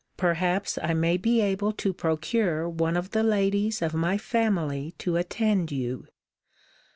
Perhaps I may be able to procure one of the ladies of my family to attend you.